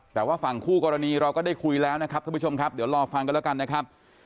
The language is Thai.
แต่ว่าฝั่งคู่กรณีเราก็ได้คุยแล้วนะครับท่านผู้ชมครับเดี๋ยวรอฟังกันแล้วกันนะครับ